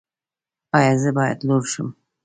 ایا زه باید لور شم؟